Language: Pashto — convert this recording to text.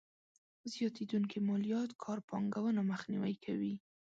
زياتېدونکې ماليات کار پانګونه مخنیوی کوي.